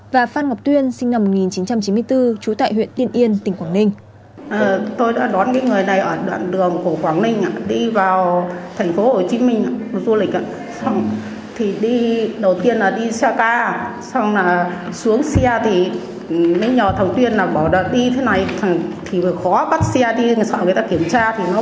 và phan ngọc tuyên sinh năm một nghìn chín trăm chín mươi bốn trú tại huyện tiên yên tỉnh quảng ninh